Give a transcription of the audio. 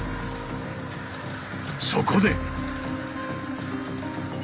そこで！